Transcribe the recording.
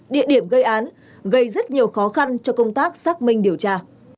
địa điểm gây án gây rất nhiều khó khăn cho công tác xác minh điều tra